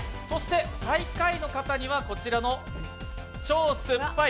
最下位の方にはこちらの超酸っぱい！